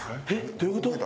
どういうこと？